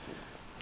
あ。